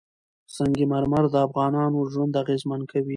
سنگ مرمر د افغانانو ژوند اغېزمن کوي.